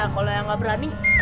kalau yang gak berani